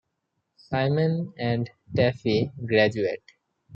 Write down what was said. Simon and Taffy graduate.